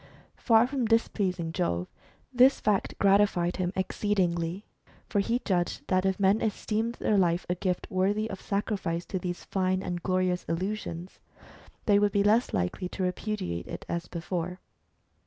Far from dis pleasing Jove, this fact gratified him exceedingly, for he judged that if men esteemed their life a gift worthy of sacrifice to these fine and glorious illusions, they would be less likely to . repudiate it as before.